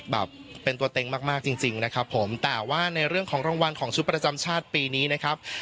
แบบเป็นตัวเต็งมากมากจริงจริงนะครับผมแต่ว่าในเรื่องของรางวัลของชุดประจำชาติปีนี้นะครับ